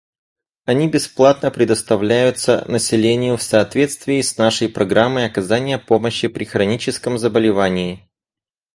Они бесплатно предоставляются населению в соответствии с нашей программой оказания помощи при хроническом заболевании.